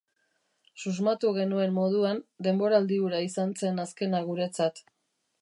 Susmatu genuen moduan, denboraldi hura izan zen azkena guretzat.